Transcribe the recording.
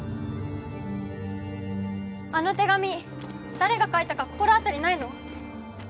あの手紙誰が書いたか心当たりないの？